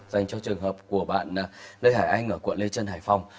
dành cho trường hợp của bạn lê hải anh ở quận lê trân hải phòng